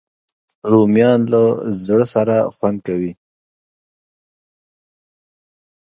رومیان له زړه سره خوند کوي